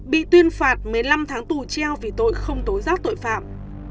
bị tuyên phạt một mươi năm tháng tù treo vì tội không tố giác tội phạm